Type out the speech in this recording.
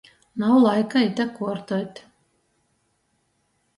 Nav laika ite kuortuot.